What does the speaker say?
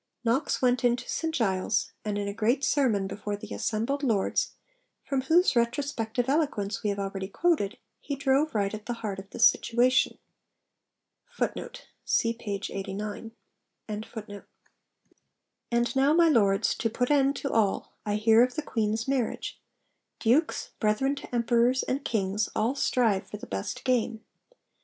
Knox went into St Giles', and in a great sermon before the assembled Lords, from whose retrospective eloquence we have already quoted, he drove right at the heart of the situation. 'And now, my Lords, to put end to all, I hear of the Queen's marriage; dukes, brethren to emperors, and kings, all strive for the best game.